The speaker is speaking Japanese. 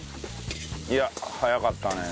いや早かったね。